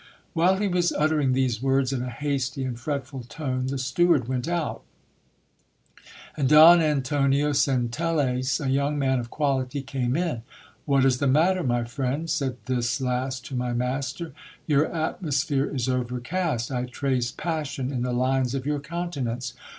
While he was uttering these words in a hasty and fretful tone, the steward went out ; and Don Antonio Centelles, a young man of quality, came in. 'What is the matter, my friend?" said this last to my master : your atmosphere is overcast ; I trace passion in the lines of your countenance.